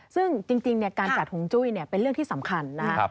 ซึ่งจริงการจัดหงจุ้ยเป็นเรื่องที่สำคัญนะครับ